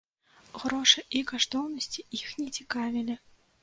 Грошы і каштоўнасці іх не цікавілі.